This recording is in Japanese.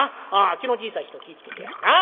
気の小さい人気ぃ付けてや。なあ！